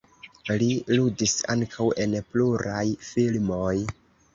Li ludis ankaŭ en pluraj filmoj.